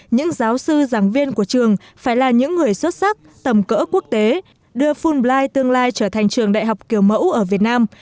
những giáo sư giảng viên của trường phải là những người xuất sắc tầm cỡ quốc tế đưa phun bline tương lai trở thành trường đại học kiểu mẫu ở việt nam